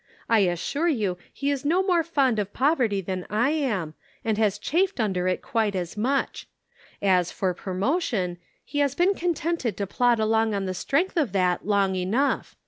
I assure you he is no more fond of poverty than I am, and has chafed under it quite as much. As for promotion, he has been contented to plod along on the strength of that long enough.